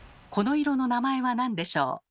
この色の名前は何でしょう？